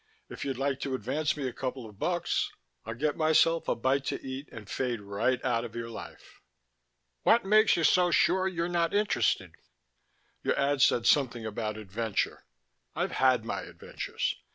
"If you'd like to advance me a couple of bucks, I'll get myself a bite to eat and fade right out of your life." "What makes you so sure you're not interested?" "Your ad said something about adventure. I've had my adventures.